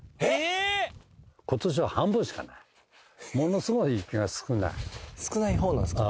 ものすごい雪が少ない少ないほうなんですか？